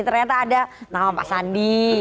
ternyata ada nama pak sandi